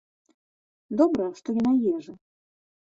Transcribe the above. Дабра, што не на ежы.